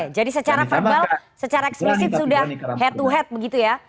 oke jadi secara verbal secara eksplisit sudah head to head begitu ya